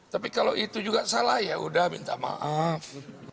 tapi kalau itu juga salah yaudah minta maaf